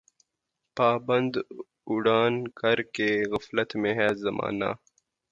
پابند اڑان کر کے غفلت میں ہے زمانہ